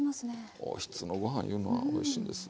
おひつのご飯いうのはおいしいんですわ。